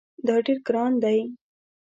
دا ډیر ګران دی